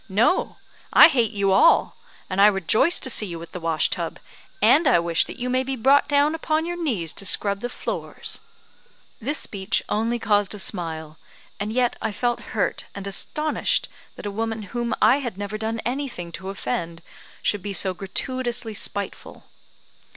No, I hate you all; and I rejoice to see you at the wash tub, and I wish that you may be brought down upon your knees to scrub the floors." This speech only caused a smile, and yet I felt hurt and astonished that a woman whom I had never done anything to offend should be so gratuitously spiteful.